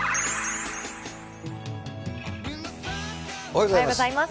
おはようございます。